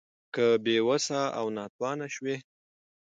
که بې وسه او ناتوانه شوې